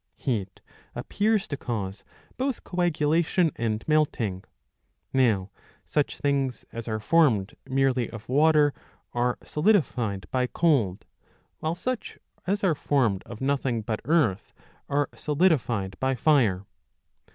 Heat appears to cause both coagulation and melting.'^ Now such things as are formed merely of water are solidified by cold, while such as are formed of nothing but earth are solidified by 649 a. ii. 2 — 11. 3. , 2"] fire.